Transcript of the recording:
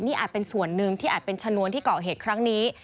นี่อาจเป็นส่วนหนึ่งที่อาจเป็นชนวนที่เกาะเหตุครั้งนี้